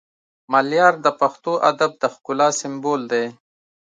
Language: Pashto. ملیار د پښتو ادب د ښکلا سمبول دی